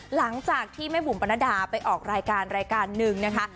หลังจากที่แม่บุ๋มปรณดาไปออกรายการรายการหนึ่งนะคะ